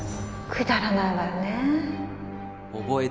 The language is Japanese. くだらないわよねえ。